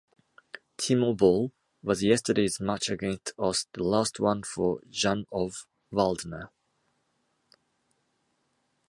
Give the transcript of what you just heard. Timo Boll: Was yesterday's match against us the last one for Jan-Ove Waldner?